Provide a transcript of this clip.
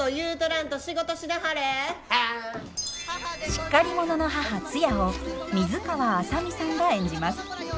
しっかり者の母ツヤを水川あさみさんが演じます。